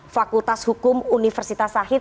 fakultas hukum universitas sahid